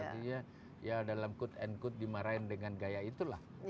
artinya ya dalam kut dan kut dimarahin dengan gaya itulah